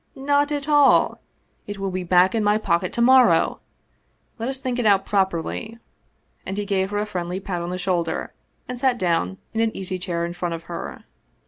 Not at all! It will be back in my pocket to morrow! Let us think it out properly!"" and he gave her a friendly pat on the shoulder, and sat down in an easy chair in front of her.